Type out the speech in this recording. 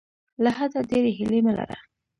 له حده ډیرې هیلې مه لره.